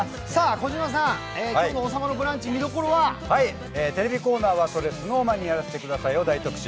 児嶋さん、今日の「王様のブランチ」、テレビコーナーは「それＳｎｏｗＭａｎにやらせて下さい」を大特集。